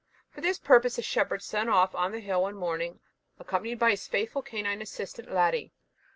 For this purpose the shepherd set off to the hill one morning, accompanied by his faithful canine assistant, Ladie.